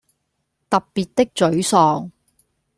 特別的沮喪